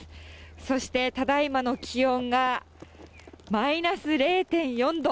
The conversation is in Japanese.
そしてただ今の気温がマイナス０．４度。